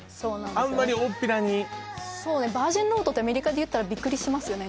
あんまりおおっぴらに「バージンロード」ってアメリカで言ったらびっくりしますよね